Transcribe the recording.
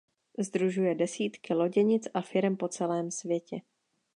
Sdružuje desítky loděnic a firem po celém světě.